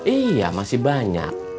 iya masih banyak